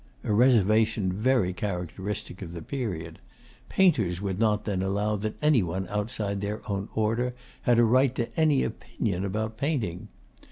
A reservation very characteristic of the period! Painters would not then allow that any one outside their own order had a right to any opinion about painting.